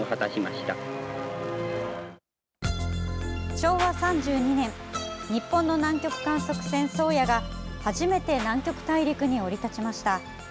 昭和３２年日本の南極観測船「宗谷」が初めて南極大陸に降り立ちました。